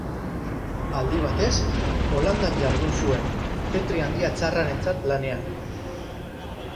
Aldi batez Holandan jardun zuen, Petri Handia tsarrarentzat lanean.